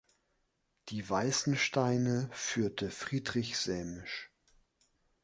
Die weißen Steine führte Friedrich Sämisch.